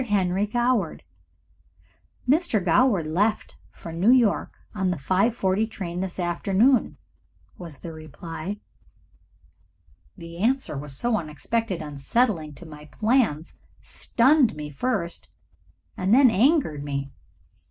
Henry Goward." "Mr. Goward left for New York on the 5.40 train this afternoon," was the reply. The answer, so unexpected and unsettling to all my plans, stunned me first and then angered me.